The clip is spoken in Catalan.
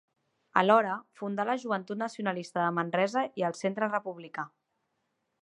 Alhora, fundà la Joventut Nacionalista de Manresa i el Centre Republicà.